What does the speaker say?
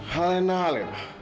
hal yang enak hal yang enak